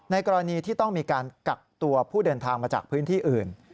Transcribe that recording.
กรณีที่ต้องมีการกักตัวผู้เดินทางมาจากพื้นที่อื่น